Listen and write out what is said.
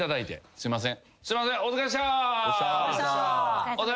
すいません。